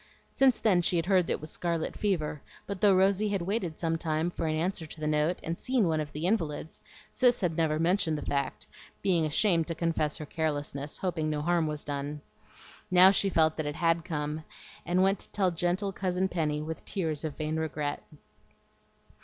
Since then she had heard that it was scarlet fever; but though Rosy had waited some time for an answer to the note, and seen one of the invalids, Cis had never mentioned the fact, being ashamed to confess her carelessness, hoping no harm was done. Now she felt that it HAD come, and went to tell gentle Cousin Penny with tears of vain regret.